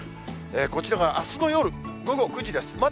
こちらがあすの夜午後９時です。